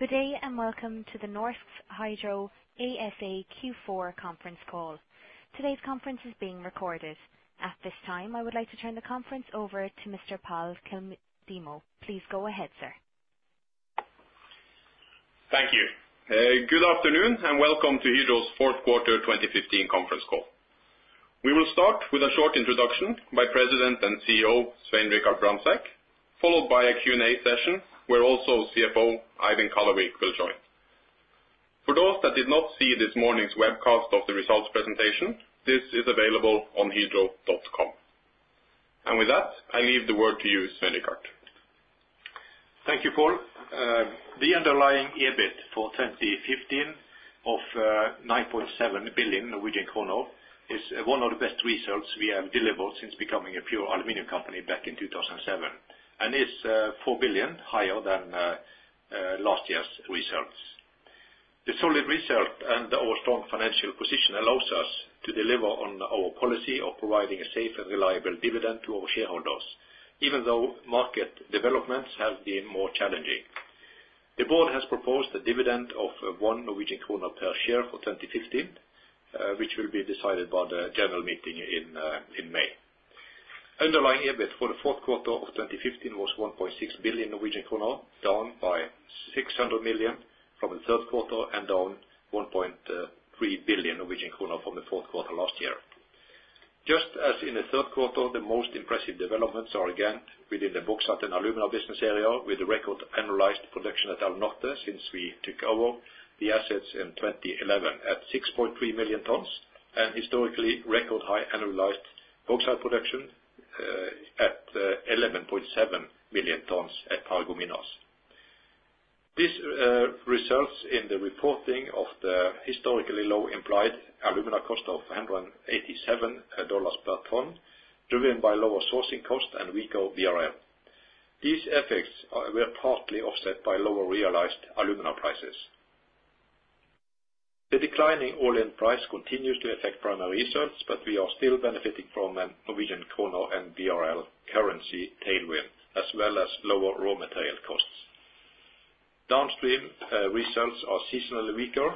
Good day, and welcome to the Norsk Hydro ASA Q4 conference call. Today's conference is being recorded. At this time, I would like to turn the conference over to Mr. Pål Kildemo. Please go ahead, sir. Thank you. Good afternoon, and welcome to Hydro's fourth quarter 2015 conference call. We will start with a short introduction by President and CEO, Svein Richard Brandtzæg, followed by a Q&A session, where also CFO, Eivind Kallevik, will join. For those that did not see this morning's webcast of the results presentation, this is available on hydro.com. With that, I leave the word to you, Svein Richard. Thank you, Pål. The underlying EBIT for 2015 of 9.7 billion Norwegian kroner is one of the best results we have delivered since becoming a pure aluminum company back in 2007, and is 4 billion higher than last year's results. The solid result and our strong financial position allows us to deliver on our policy of providing a safe and reliable dividend to our shareholders, even though market developments have been more challenging. The board has proposed a dividend of 1 Norwegian kroner per share for 2015, which will be decided by the general meeting in May. Underlying EBIT for the fourth quarter of 2015 was 1.6 billion Norwegian krone, down by 600 million from the third quarter and down 1.3 billion Norwegian krone from the fourth quarter last year. Just as in the third quarter, the most impressive developments are again within the Bauxite & Alumina business area, with record annualized production at Alunorte since we took over the assets in 2011 at 6.3 million tons, and historically record high annualized bauxite production at 11.7 million tons at Paragominas. This results in the reporting of the historically low implied alumina cost of $187 per ton, driven by lower sourcing costs and weaker BRL. These effects were partly offset by lower realized alumina prices. The declining oil price continues to affect primary results, but we are still benefiting from a Norwegian krone and BRL currency tailwind, as well as lower raw material costs. Downstream, results are seasonally weaker,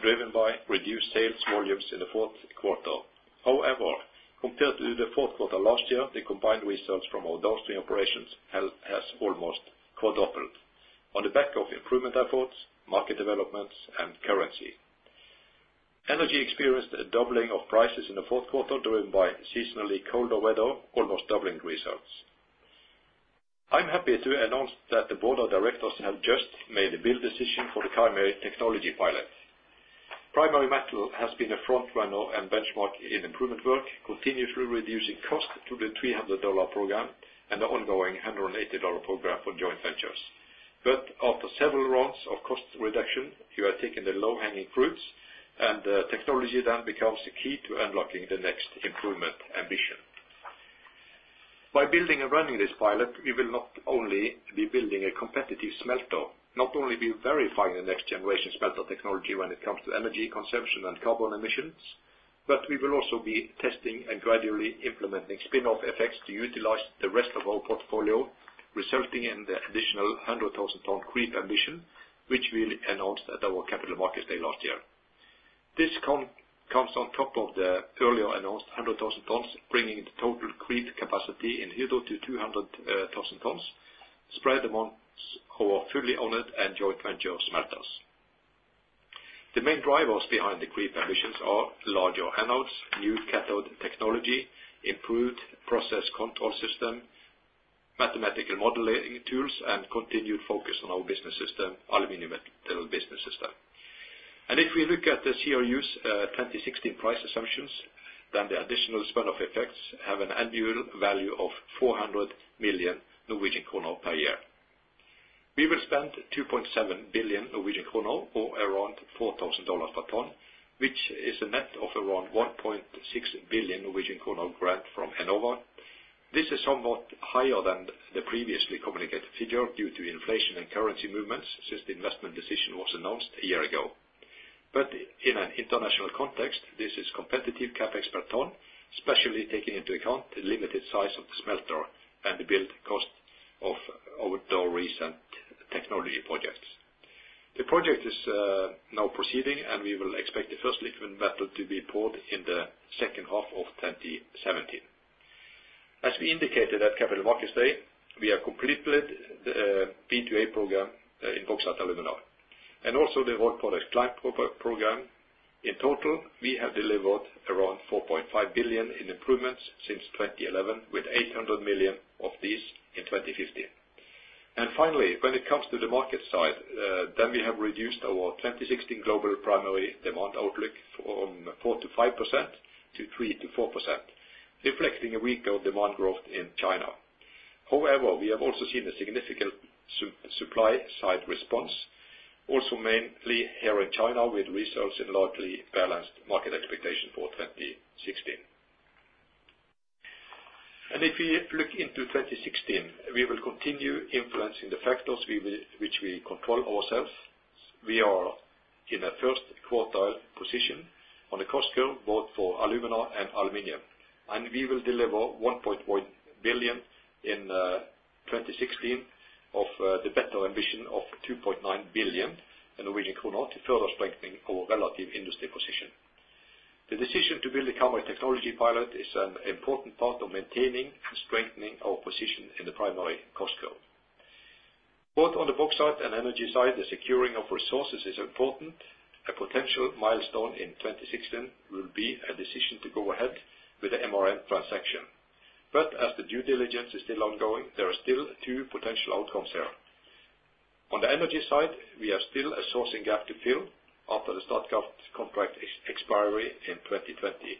driven by reduced sales volumes in the fourth quarter. However, compared to the fourth quarter last year, the combined results from our downstream operations has almost quadrupled on the back of improvement efforts, market developments, and currency. Energy experienced a doubling of prices in the fourth quarter, driven by seasonally colder weather, almost doubling results. I'm happy to announce that the board of directors have just made a build decision for the primary technology pilot. Primary metal has been a frontrunner and benchmark in improvement work, continuously reducing cost to the $300 program and the ongoing $180 program for joint ventures. After several rounds of cost reduction, you are taking the low-hanging fruits, and technology then becomes the key to unlocking the next improvement ambition. By building and running this pilot, we will not only be building a competitive smelter, not only be verifying the next generation smelter technology when it comes to energy consumption and carbon emissions, but we will also be testing and gradually implementing spin-off effects to utilize the rest of our portfolio, resulting in the additional 100,000-ton creep ambition, which we announced at our Capital Markets Day last year. This comes on top of the earlier announced 100,000 tons, bringing the total creep capacity in Hydro to 200,000 tons, spread among our fully owned and joint venture smelters. The main drivers behind the crete ambitions are larger anodes, new cathode technology, improved process control system, mathematical modeling tools, and continued focus on our business system, Aluminum Metal Business System. If we look at the CRU's 2016 price assumptions, then the additional spin-off effects have an annual value of 400 million Norwegian kroner per year. We will spend 2.7 billion Norwegian kroner, or around $4,000 per ton, which is a net of around 1.6 billion Norwegian kroner grant from Enova. This is somewhat higher than the previously communicated figure due to inflation and currency movements since the investment decision was announced a year ago. In an international context, this is competitive CapEx per ton, especially taking into account the limited size of the smelter and the build cost of our Årdal recent technology projects. The project is now proceeding, and we will expect the first liquid metal to be poured in the second half of 2017. As we indicated at Capital Markets Day, we have completed the B2A program in Bauxite & Alumina, and also the World Class Improvement program. In total, we have delivered around 4.5 billion in improvements since 2011, with 800 million of these in 2015. Finally, when it comes to the market side, then we have reduced our 2016 global primary demand outlook from 4%-5% to 3%-4%, reflecting a weaker demand growth in China. However, we have also seen a significant supply side response, also mainly here in China, with results in largely balanced market expectation for 2016. If we look into 2016, we will continue influencing the factors which we control ourselves. We are in a first quartile position on the cost curve, both for alumina and aluminum. We will deliver 1.1 billion in 2016 of the better ambition of 2.9 billion, to further strengthening our relative industry position. The decision to build a Karmøy technology pilot is an important part of maintaining and strengthening our position in the primary cost curve. Both on the bauxite and energy side, the securing of resources is important. A potential milestone in 2016 will be a decision to go ahead with the MRN transaction. As the due diligence is still ongoing, there are still two potential outcomes here. On the energy side, we have still a sourcing gap to fill after the Statkraft contract expiry in 2020.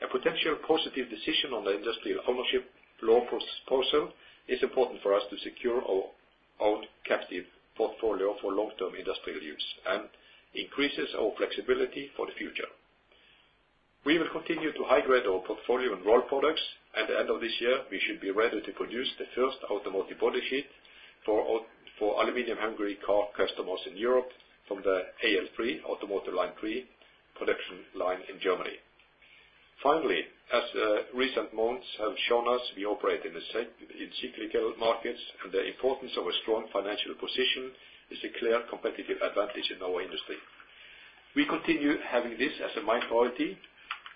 A potential positive decision on the industrial ownership law proposal is important for us to secure our own captive portfolio for long-term industrial use and increases our flexibility for the future. We will continue to high-grade our portfolio and rolled products. At the end of this year, we should be ready to produce the first automotive body sheet for aluminum-hungary car customers in Europe from the AL3, Automotive Line three production line in Germany. Finally, as recent months have shown us, we operate in cyclical markets, and the importance of a strong financial position is a clear competitive advantage in our industry. We continue having this as a priority,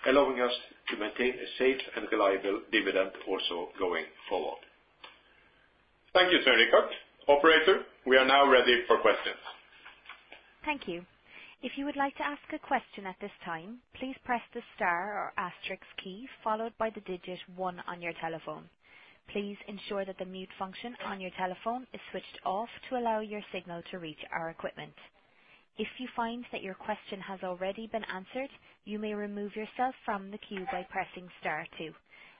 allowing us to maintain a safe and reliable dividend also going forward. Thank you, Svein Richard. Operator, we are now ready for questions. Thank you. If you would like to ask a question at this time, please press the star or asterisk key followed by the digit one on your telephone. Please ensure that the mute function on your telephone is switched off to allow your signal to reach our equipment. If you find that your question has already been answered, you may remove yourself from the queue by pressing star two.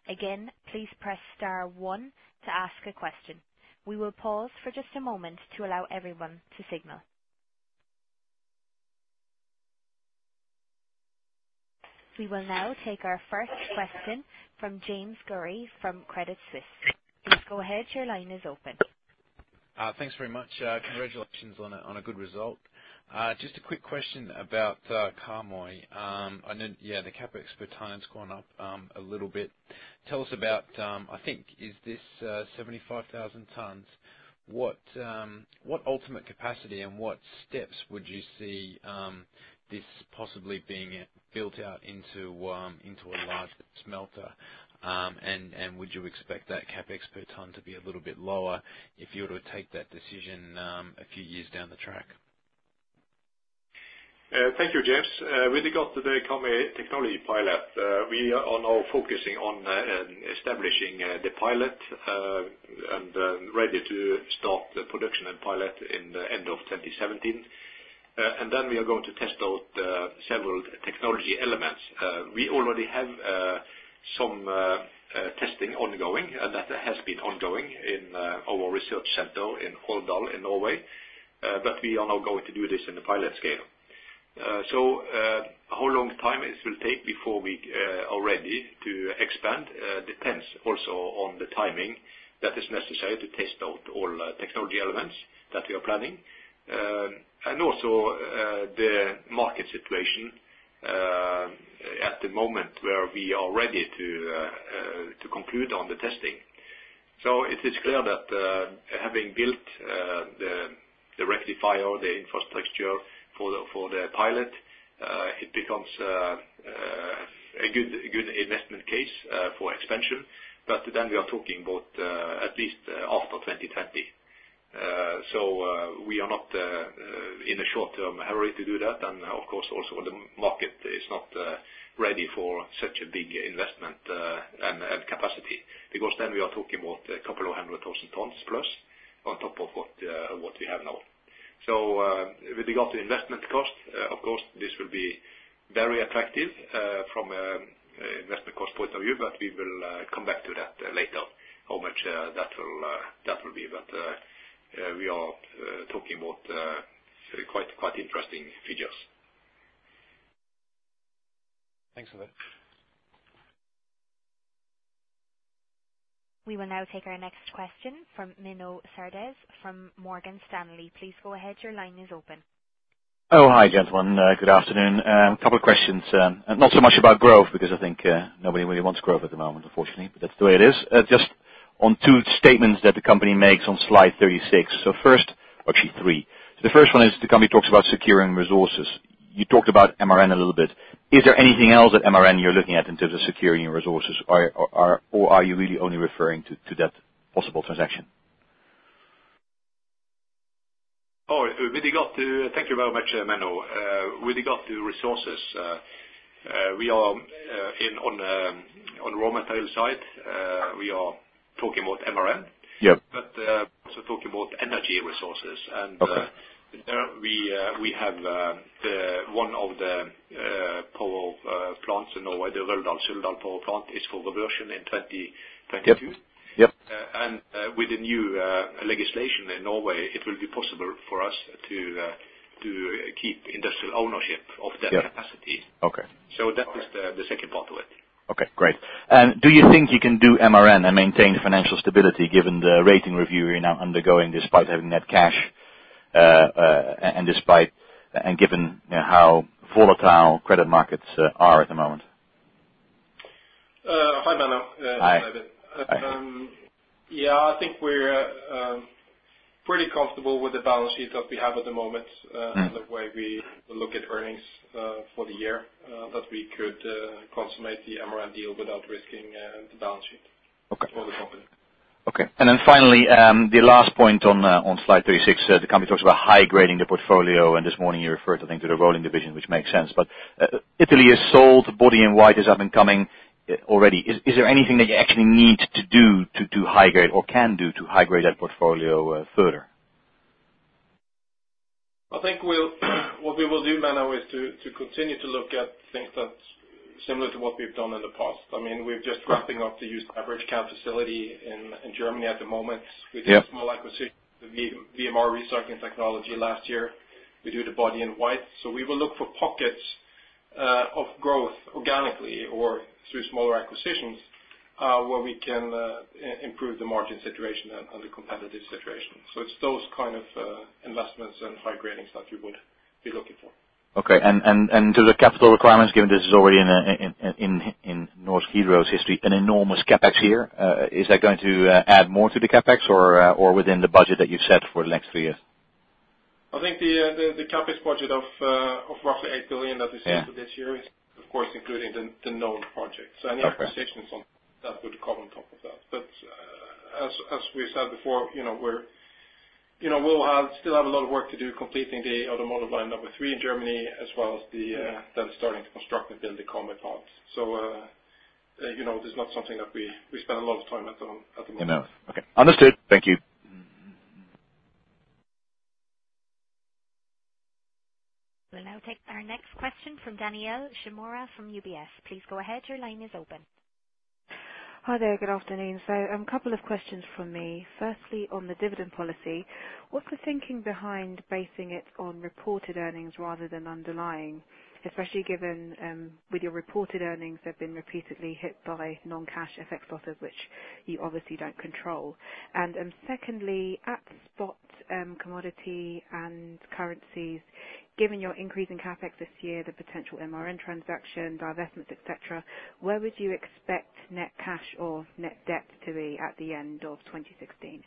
Again, please press star one to ask a question. We will pause for just a moment to allow everyone to signal. We will now take our first question from James Gurry from Credit Suisse. Please go ahead. Your line is open. Thanks very much. Congratulations on a good result. Just a quick question about Karmøy. I know the CapEx per ton has gone up a little bit. Tell us about. I think, is this 75,000 tons? What ultimate capacity and what steps would you see this possibly being built out into a large smelter? And would you expect that CapEx per ton to be a little bit lower if you were to take that decision a few years down the track? Thank you, James. With regard to the Karmøy technology pilot, we are now focusing on establishing the pilot and ready to start the production and pilot in the end of 2017. And then we are going to test out several technology elements. We already have some testing ongoing, and that has been ongoing in our research center in Årdal in Norway. But we are now going to do this in the pilot scale. How long time it will take before we are ready to expand depends also on the timing that is necessary to test out all technology elements that we are planning. And also, the market situation at the moment, where we are ready to conclude on the testing. It is clear that, having built the rectifier or the infrastructure for the pilot, it becomes a good investment case for expansion. We are talking about at least after 2020. We are not in a short-term hurry to do that. Also the market is not ready for such a big investment and capacity, because then we are talking about 200,000 tons plus on top of what we have now. With regard to investment cost, of course, this will be very attractive from investment cost point of view, but we will come back to that later, how much that will be. We are talking about quite interesting figures. Thanks for that. We will now take our next question from Menno Sanderse from Morgan Stanley. Please go ahead. Your line is open. Oh, hi, gentlemen. Good afternoon. A couple of questions. Not so much about growth, because I think nobody really wants growth at the moment, unfortunately, but that's the way it is. Just on two statements that the company makes on slide 36. Actually three. The first one is the company talks about securing resources. You talked about MRN a little bit. Is there anything else at MRN you're looking at in terms of securing your resources, or are you really only referring to that possible transaction? Thank you very much, Menno. With regard to resources, we are on raw material side, we are talking about MRN. Yep. Also talking about energy resources. Okay. We have one of the power plants in Norway, the Røldal-Suldal power plant is for reversion in 2022. Yep. Yep. With the new legislation in Norway, it will be possible for us to To keep industrial ownership of that capacity. Okay. That was the second part to it. Okay, great. Do you think you can do MRN and maintain financial stability given the rating review you're now undergoing despite having net cash, and given, you know, how volatile credit markets are at the moment? Hi, Menno Sanderse. Hi. This is Eivind Kallevik. Yeah, I think we're pretty comfortable with the balance sheet that we have at the moment. Mm-hmm. The way we look at earnings for the year that we could consummate the MRN deal without risking the balance sheet. Okay. for the company. Okay. Finally, the last point on slide 36, the company talks about high grading the portfolio, and this morning you referred, I think, to the rolling division, which makes sense. Italy is sold, body-in-white is up and coming already. Is there anything that you actually need to do to high grade or can do to high-grade that portfolio further? What we will do, Menno, is to continue to look at things that's similar to what we've done in the past. I mean, we're just wrapping up the Used Beverage Can facility in Germany at the moment. Yeah. We did a small acquisition with WMR Recycling GmbH last year. We do the body-in-white. We will look for pockets of growth organically or through smaller acquisitions where we can improve the margin situation and the competitive situation. It's those kinds of investments and high gradings that you would be looking for. To the capital requirements, given this is already in Norsk Hydro's history an enormous CapEx year, is that going to add more to the CapEx or within the budget that you've set for the next three years? I think the CapEx budget of roughly 8 billion that we set. Yeah. For this year is of course including the known projects. Okay. Any acquisitions on that would come on top of that. As we said before, you know, we still have a lot of work to do completing the Automotive Line three in Germany, as well as then starting to construct and build the Comet UBC. You know, this is not something that we spend a lot of time at the moment. I know. Okay. Understood. Thank you. We'll now take our next question from Daniel Major from UBS. Please go ahead. Your line is open. Hi there. Good afternoon. A Couple of questions from me. Firstly, on the dividend policy, what's the thinking behind basing it on reported earnings rather than underlying, especially given with your reported earnings have been repeatedly hit by non-cash FX losses, which you obviously don't control? Secondly, at spot commodity and currencies, given your increase in CapEx this year, the potential MRN transaction, divestments, et cetera, where would you expect net cash or net debt to be at the end of 2016?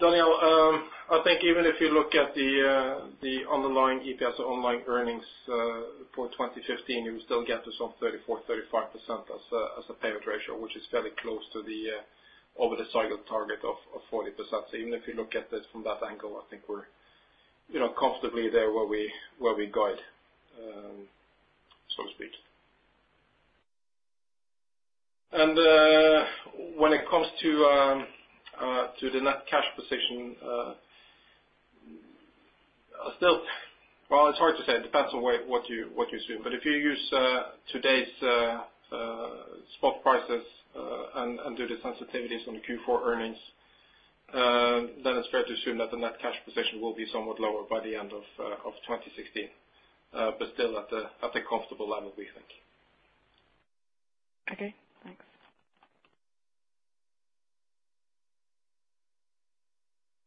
Daniel, I think even if you look at the underlying EPS or underlying earnings for 2015, you still get to some 34%-35% as a payout ratio, which is fairly close to the over the cycle target of 40%. Even if you look at this from that angle, I think we're, you know, comfortably there where we guide, so to speak. When it comes to the net cash position, still. Well, it's hard to say. It depends on what you assume. If you use today's spot prices and do the sensitivities on the Q4 earnings, then it's fair to assume that the net cash position will be somewhat lower by the end of 2016, but still at a comfortable level, we think. Okay, thanks.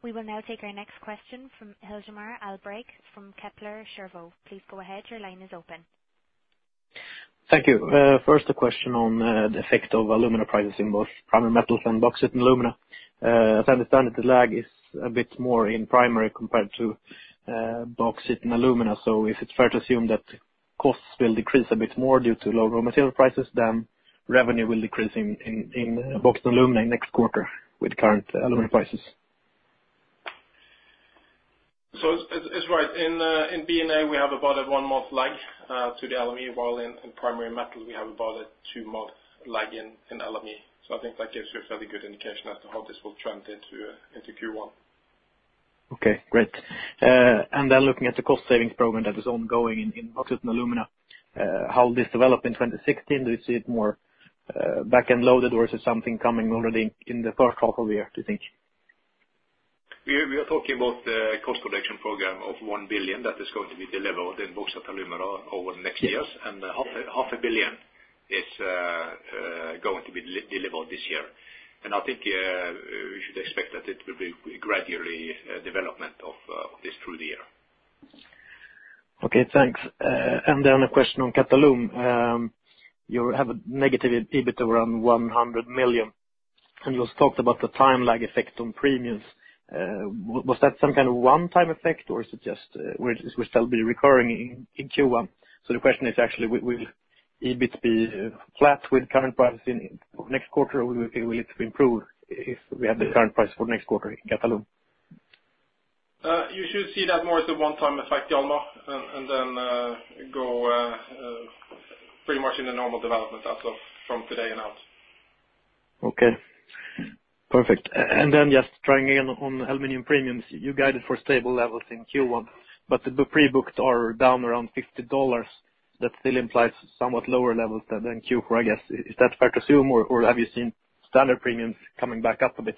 We will now take our next question from Hjalmar Aalberg from Kepler Cheuvreux. Please go ahead. Your line is open. Thank you. First a question on the effect of alumina prices in both primary metals and bauxite and alumina. As I understand it, the lag is a bit more in primary compared to bauxite and alumina. If it's fair to assume that costs will decrease a bit more due to lower raw material prices, then revenue will decrease in bauxite and alumina next quarter with current alumina prices. It's right. In B&A, we have about a one-month lag to the LME, while in primary metal, we have about a two-month lag to the LME. I think that gives you a fairly good indication as to how this will trend into Q1. Okay, great. Then looking at the cost savings program that is ongoing in Bauxite and Alumina, how will this develop in 2016? Do you see it more back-end loaded or is it something coming already in the first half of the year, do you think? We are talking about the cost reduction program of 1 billion that is going to be delivered in Bauxite & Alumina over the next years. Half a billion is going to be delivered this year. I think we should expect that it will be gradual development of this through the year. Okay, thanks. Then a question on Albras. You have a negative EBIT around 100 million, and you talked about the time lag effect on premiums. Was that some kind of one-time effect or is it just will still be recurring in Q1? The question is actually, will EBIT be flat with current pricing next quarter or will it improve if we have the current price for next quarter in Albras? You should see that more as a one-time effect, Hjalmar, and then go pretty much in a normal development as of from today and out. Okay. Perfect. Then just trying again on the aluminum premiums. You guided for stable levels in Q1, but the pre-booked are down around $50. That still implies somewhat lower levels than Q4, I guess. Is that fair to assume, or have you seen standard premiums coming back up a bit?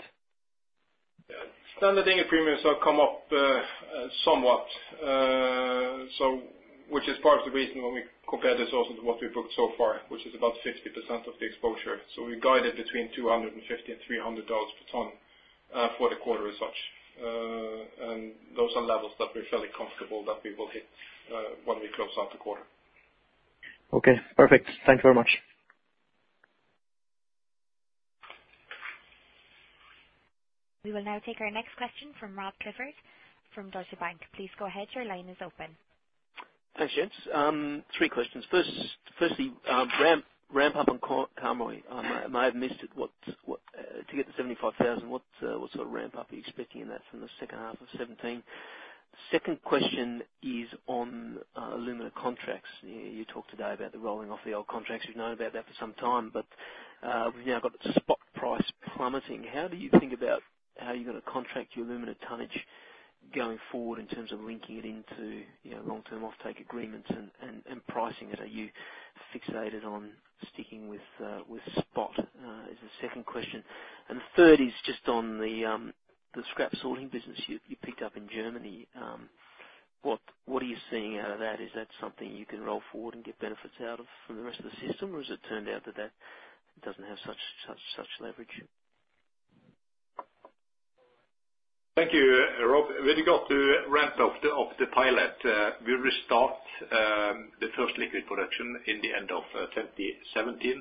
Yeah. Standard ingots premiums have come up somewhat. Which is part of the reason when we compare this also to what we booked so far, which is about 60% of the exposure. We guided between $250 and $300 per ton for the quarter as such. Those are levels that we're fairly comfortable that we will hit when we close out the quarter. Okay. Perfect. Thank you very much. We will now take our next question from Rob Clifford from Deutsche Bank. Please go ahead. Your line is open. Thanks, gents. Three questions. First, ramp up on Karmøy. I might have missed it. What to get to 75,000, what sort of ramp-up are you expecting in that from the second half of 2017? Second question is on alumina contracts. You talked today about the rolling off the old contracts. We've known about that for some time. We've now got spot price plummeting. How do you think about how you're gonna contract your alumina tonnage going forward in terms of linking it into, you know, long-term offtake agreements and pricing it? Are you fixated on sticking with spot, is the second question. The third is just on the scrap sorting business you picked up in Germany. What are you seeing out of that? Is that something you can roll forward and get benefits out of from the rest of the system, or has it turned out that that doesn't have such leverage? Thank you, Rob. When you got the ramp of the pilot, we restart the first liquid production in the end of 2017.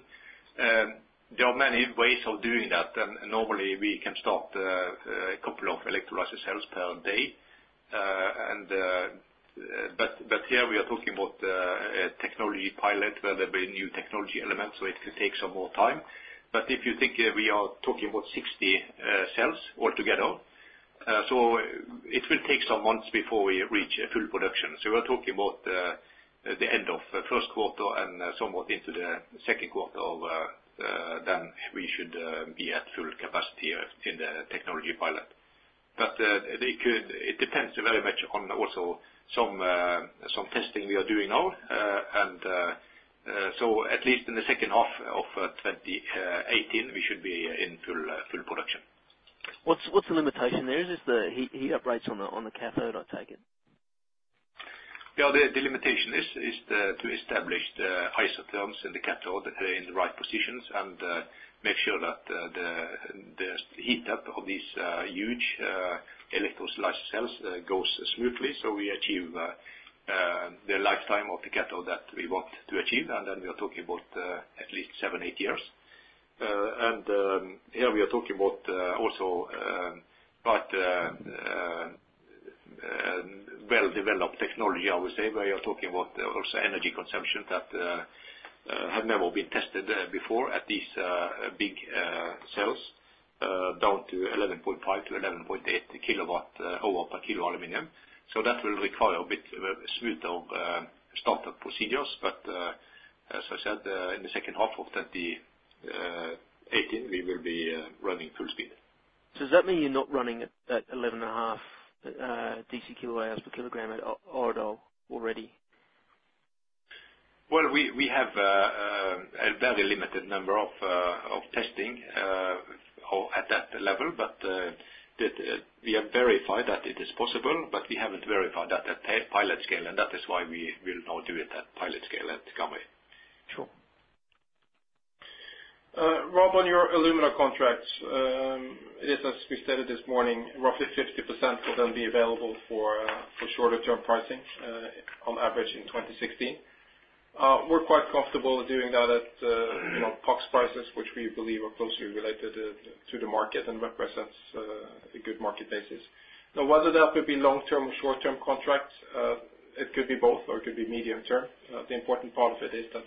There are many ways of doing that. Normally we can start a couple of electrolysis cells per day. Here we are talking about a technology pilot where there'll be new technology elements, so it could take some more time. If you think we are talking about 60 cells altogether, it will take some months before we reach full production. We're talking about the end of the first quarter and somewhat into the second quarter of 2018 then we should be at full capacity in the technology pilot. It depends very much on also some testing we are doing now. At least in the second half of 2018, we should be in full production. What's the limitation there? Is the heat upgrades on the cathode, I take it? Yeah. The limitation is to establish the isotherms in the cathode, they're in the right positions, and make sure that the heat-up of these huge electrolytic cells goes smoothly, so we achieve the lifetime of the cathode that we want to achieve. Then we are talking about at least seven to eight years. Here we are talking about also quite well-developed technology, I would say, where you're talking about also energy consumption that have never been tested before at these big cells down to 11.5-11.8 kWh per kilo aluminum. That will require a bit of smooth startup procedures. As I said, in the second half of 2018, we will be running full speed. Does that mean you're not running at 11.5 DC kilowatts per kilogram at Årdal already? Well, we have a very limited number of testing or at that level, but we have verified that it is possible, but we haven't verified that at pilot scale, and that is why we will now do it at pilot scale at Karmøy. Sure. Rob, on your alumina contracts, it is, as we stated this morning, roughly 50% will then be available for shorter term pricing, on average in 2016. We're quite comfortable doing that at, you know, PAX prices, which we believe are closely related to the market and represents a good market basis. Now, whether that will be long-term or short-term contracts, it could be both, or it could be medium-term. The important part of it is that,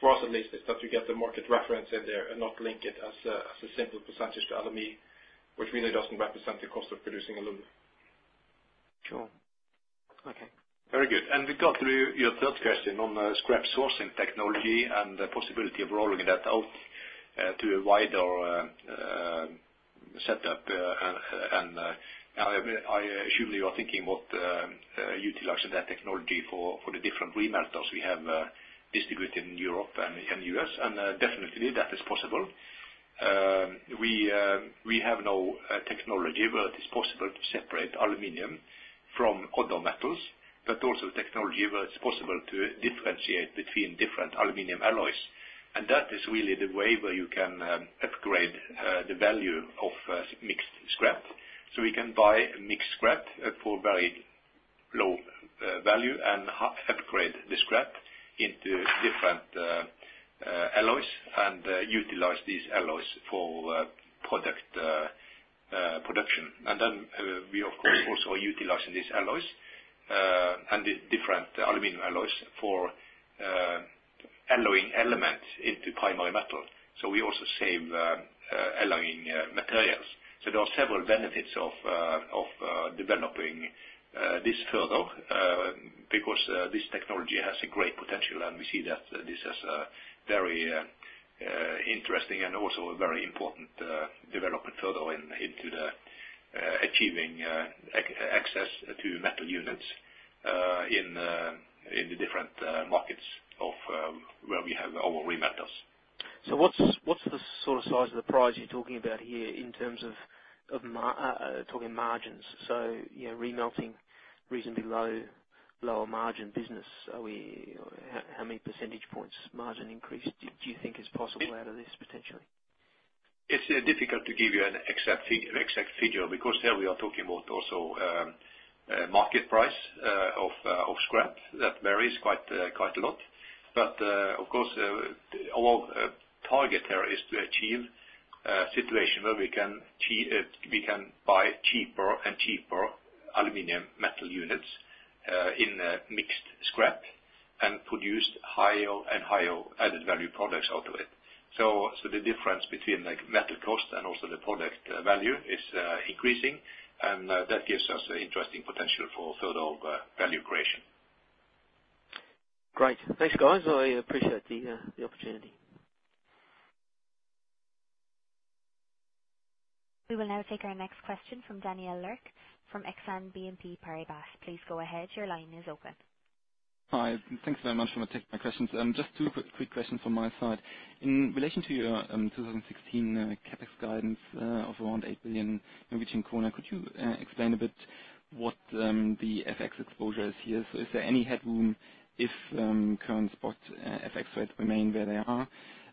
for us at least, you get the market reference in there and not link it as a simple percentage to LME, which really doesn't represent the cost of producing alumina. Sure. Okay. Very good. We got to your third question on scrap sourcing technology and the possibility of rolling that out to a wider setup. I assume you are thinking about utilizing that technology for the different remelters we have distributed in Europe and U.S. Definitely that is possible. We have no technology, but it is possible to separate aluminum from other metals, but also technology where it's possible to differentiate between different aluminum alloys. That is really the way where you can upgrade the value of mixed scrap. We can buy mixed scrap for very low value and upgrade the scrap into different alloys and utilize these alloys for product production. We of course also are utilizing these alloys and the different aluminum alloys for alloying elements into primary metal. We also save alloying materials. There are several benefits of developing this further because this technology has a great potential, and we see that this has a very Interesting and also a very important development further into achieving access to metal units in the different markets where we have our remelters. What's the sort of size of the prize you're talking about here in terms of talking margins? You know, remelting reasonably low, lower margin business. How many percentage points margin increase do you think is possible out of this, potentially? It's difficult to give you an exact figure because there we are talking about also market price of scrap that varies quite a lot. Of course, our target there is to achieve a situation where we can buy cheaper and cheaper aluminum metal units in a mixed scrap and produce higher and higher added value products out of it. The difference between, like, metal cost and also the product value is increasing, and that gives us interesting potential for further value creation. Great. Thanks, guys. I appreciate the opportunity. We will now take our next question from Daniel Lurch from Exane BNP Paribas. Please go ahead. Your line is open. Hi. Thanks very much for taking my questions. Just two quick questions from my side. In relation to your 2016 CapEx guidance of around 8 billion Norwegian kroner, could you explain a bit what the FX exposure is here? Is there any headroom if current spot FX rates remain where they are?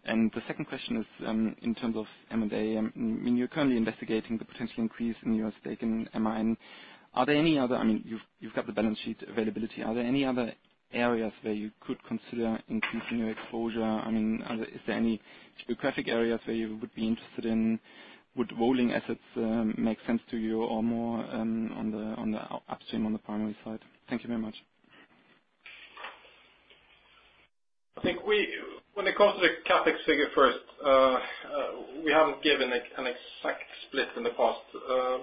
The second question is, in terms of M&A, when you're currently investigating the potential increase in your stake in MRN, are there any other? I mean, you've got the balance sheet availability. Are there any other areas where you could consider increasing your exposure? I mean, is there any geographic areas where you would be interested in, would rolling assets make sense to you, or more on the upstream, on the primary side? Thank you very much. When it comes to the CapEx figure first, we haven't given an exact split in the past,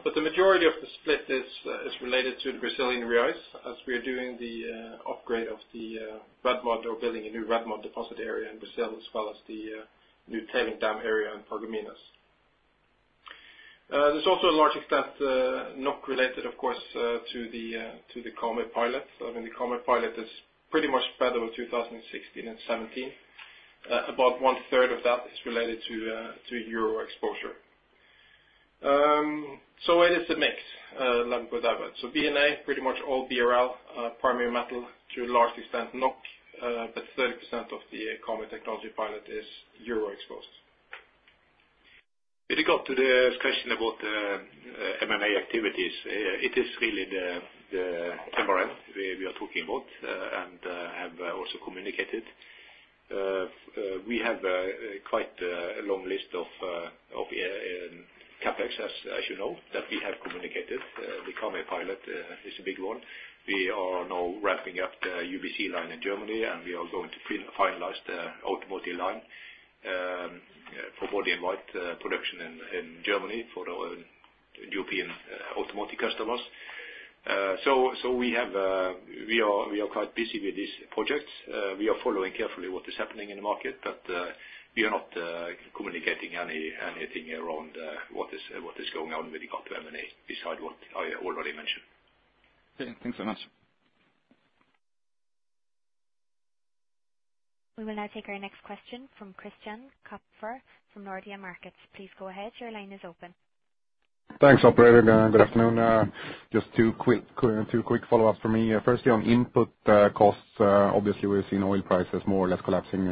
but the majority of the split is related to the Brazilian reais as we are doing the upgrade of the red mud or building a new red mud deposit area in Brazil, as well as the new tailings dam area in Paragominas. To a large extent not related of course to the Karmøy pilot. I mean, the Karmøy pilot is pretty much in 2016 and 2017. About one-third of that is related to euro exposure. It is a mix, let me put it that way. B&A pretty much all BRL, primary metal to a large extent, NOK, but 30% of the Karmøy technology pilot is euro-exposed. When it comes to the question about M&A activities, it is really the MRN we are talking about, and have also communicated. We have quite a long list of CapExes, as you know, that we have communicated. The Karmøy pilot is a big one. We are now ramping up the UBC line in Germany, and we are going to finalize the automotive line for body-in-white production in Germany for our European automotive customers. We are quite busy with these projects. We are following carefully what is happening in the market, but we are not communicating anything around what is going on when it comes to M&A besides what I already mentioned. Okay, thanks very much. We will now take our next question from Christian Kopfer from Nordea Markets. Please go ahead. Your line is open. Thanks, operator. Good afternoon. Just two quick follow-ups for me. Firstly on input costs, obviously, we've seen oil prices more or less collapsing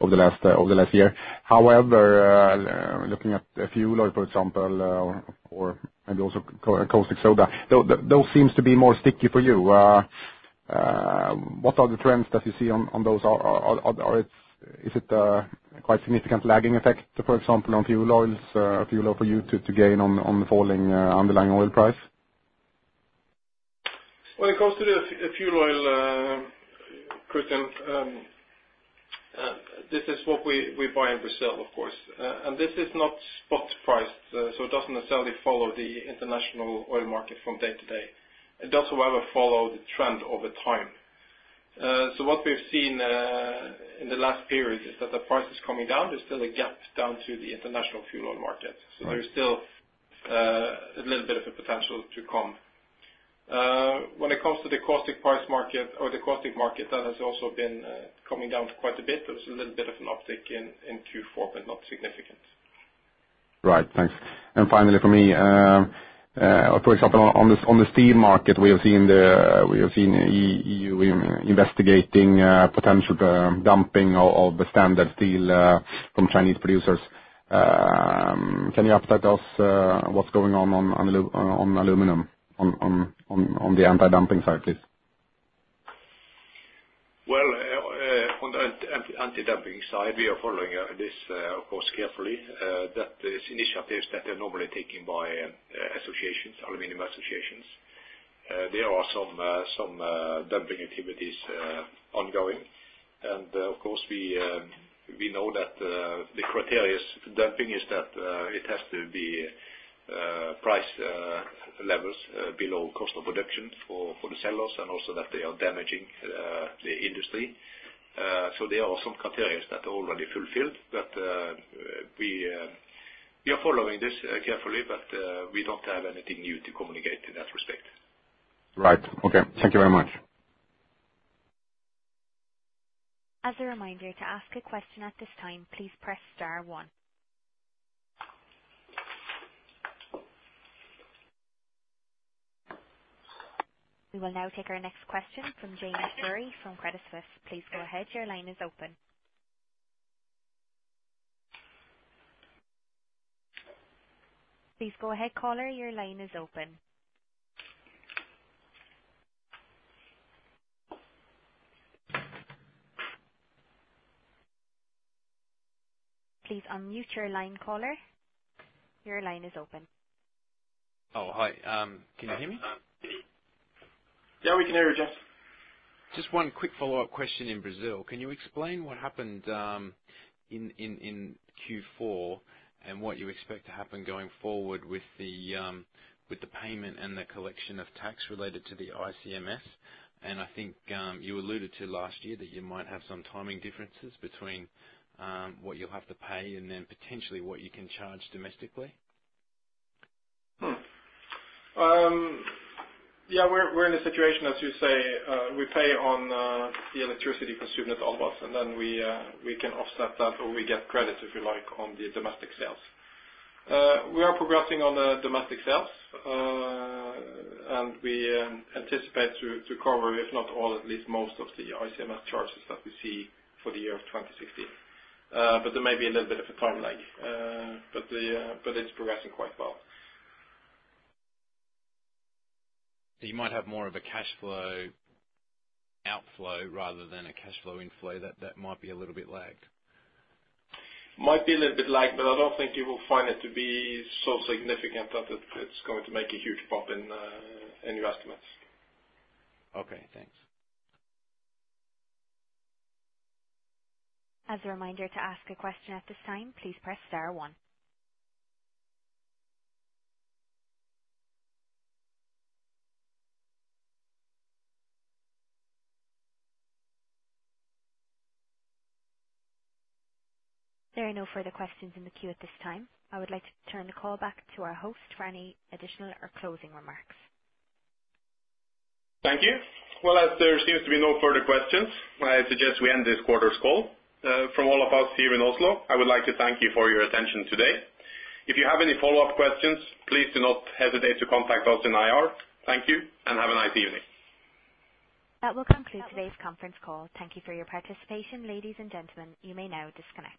over the last year. However, looking at fuel oil, for example, or and also caustic soda, those seems to be more sticky for you. What are the trends that you see on those? Is it quite significant lagging effect, for example, on fuel oil for you to gain on the falling underlying oil price? When it comes to the fuel oil, Christian, this is what we buy in Brazil, of course. This is not spot price, so it doesn't necessarily follow the international oil market from day to day. It does, however, follow the trend over time. What we've seen in the last period is that the price is coming down. There's still a gap down to the international fuel oil market. Right. There's still a little bit of a potential to come. When it comes to the caustic price market or the caustic market, that has also been coming down quite a bit. There's a little bit of an uptick in Q4, but not significant. Right. Thanks. Finally for me, for example, on the steel market, we have seen EU investigating potential dumping of the standard steel from Chinese producers. Can you update us, what's going on on aluminum on the anti-dumping side, please? On the anti-dumping side, we are following this, of course, carefully, that these initiatives that are normally taken by associations, aluminum associations. There are some dumping activities ongoing. Of course, we know that the criteria for dumping is that it has to be price levels below cost of production for the sellers and also that they are damaging the industry. There are some criteria that are already fulfilled, but we are following this carefully, but we don't have anything new to communicate in that respect. Right. Okay. Thank you very much. As a reminder, to ask a question at this time, please press star one. We will now take our next question from James Gurry from Credit Suisse. Please go ahead. Your line is open. Please go ahead, caller. Your line is open. Please unmute your line, caller. Your line is open. Oh, hi. Can you hear me? Yeah, we can hear you, James. Just one quick follow-up question in Brazil. Can you explain what happened in Q4 and what you expect to happen going forward with the payment and the collection of tax related to the ICMS? I think you alluded to last year that you might have some timing differences between what you'll have to pay and then potentially what you can charge domestically. Yeah, we're in a situation, as you say, we pay on the electricity consumed at Albras, and then we can offset that or we get credit, if you like, on the domestic sales. We are progressing on the domestic sales, and we anticipate to cover, if not all, at least most of the ICMS charges that we see for the year of 2016. But there may be a little bit of a time lag, but it's progressing quite well. You might have more of a cash flow outflow rather than a cash flow inflow that might be a little bit lagged? Might be a little bit lagged, but I don't think you will find it to be so significant that it's going to make a huge pop in your estimates. Okay, thanks. As a reminder, to ask a question at this time, please press star one. There are no further questions in the queue at this time. I would like to turn the call back to our host for any additional or closing remarks. Thank you. Well, as there seems to be no further questions, I suggest we end this quarter's call. From all of us here in Oslo, I would like to thank you for your attention today. If you have any follow-up questions, please do not hesitate to contact us in IR. Thank you, and have a nice evening. That will conclude today's conference call. Thank you for your participation. Ladies and gentlemen, you may now disconnect.